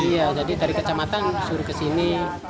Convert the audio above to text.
iya jadi dari kecamatan suruh ke sini